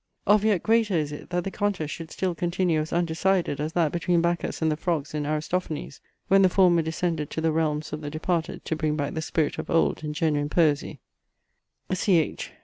Of yet greater is it, that the contest should still continue as undecided as that between Bacchus and the frogs in Aristophanes; when the former descended to the realms of the departed to bring back the spirit of old and genuine poesy; CH.